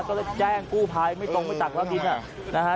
ก็จะแจ้งกูภายไม่ตรงไม่ตัดรถดินนะฮะ